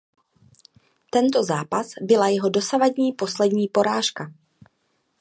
Tento zápas byla jeho dosavadní poslední porážka.